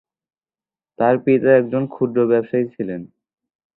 তার পিতা একজন ক্ষুদ্র ব্যবসায়ী ছিলেন।